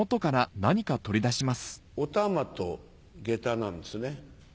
お玉とげたなんですね。